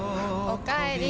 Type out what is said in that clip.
おかえり。